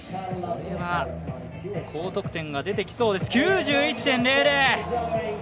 これは高得点が出てきそうです